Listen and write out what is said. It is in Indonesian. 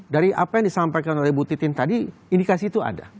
dari apa yang disampaikan oleh bu titin tadi indikasi itu ada